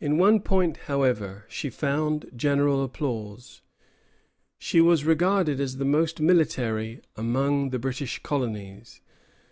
In one point, however, she found general applause. She was regarded as the most military among the British colonies.